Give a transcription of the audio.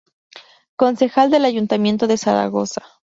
Concejal del Ayuntamiento de Zaragoza.